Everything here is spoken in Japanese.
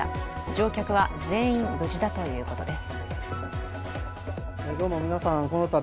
乗客は全員無事だということです。